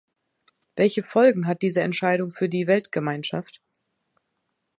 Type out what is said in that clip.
Welche Folgen hat diese Entscheidung für die Weltgemeinschaft?